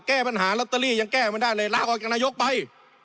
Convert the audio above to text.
แก้ปัญหาลอตเตอรี่ยังแก้ไม่ได้เลยลาออกจากนายกไป